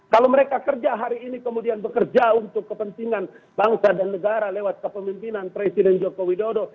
kalau mereka kerja hari ini kemudian bekerja untuk kepentingan bangsa dan negara lewat kepemimpinan presiden joko widodo